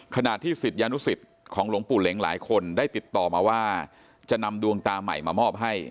ขณะที่ศิษยานุสิตของหลวงปู่เหล็งหลายคนได้ติดต่อมาว่าจะนำดวงตาใหม่มามอบให้